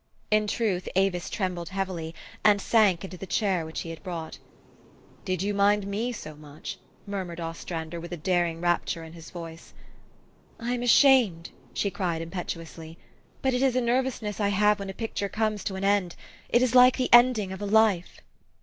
In truth Avis trembled heavily, and sank into the chair which he had brought. 4 ' Did you mind me so much ?'' murmured Os trander, with a daring rapture in his voice. " I am ashamed !" she cried impetuously ;" but it is a nervousness I have when a picture comes to an end. It is like the ending of a life."